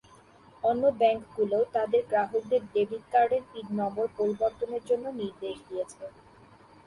অন্য ব্যাংকগুলোও তাদের গ্রাহকদের ডেবিট কার্ডের পিন নম্বর পরিবর্তনের জন্য নির্দেশ দিয়েছে।